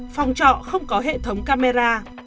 phòng trọ không có hệ thống camera